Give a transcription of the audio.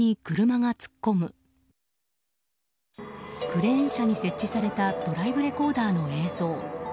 クレーン車に設置されたドライブレコーダーの映像。